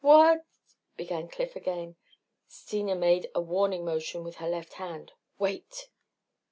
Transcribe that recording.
"What...?" began Cliff again. Steena made a warning motion with her left hand. "_Wait!